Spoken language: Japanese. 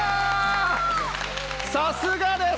さすがです。